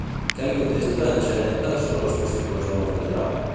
Què li contesta en Xaneta sobre els possibles homes d'allà?